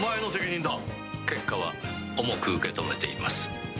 結果は重く受け止めています。